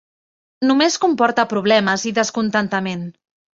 Només comporta problemes i descontentament.